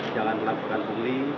jangan melakukan hukum